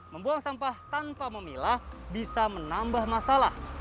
membuang sampah tanpa memilah bisa menambah masalah